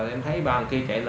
rồi em thấy ba anh kia trả lời